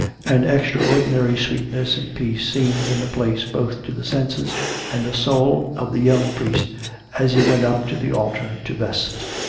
An extraordinary sweet ness and peace seemed in the place both to the senses and the soul of the young priest as he went up to the altar to vest.